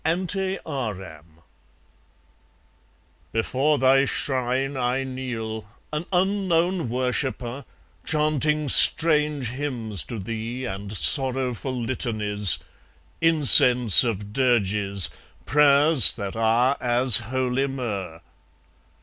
Ante Aram Before thy shrine I kneel, an unknown worshipper, Chanting strange hymns to thee and sorrowful litanies, Incense of dirges, prayers that are as holy myrrh.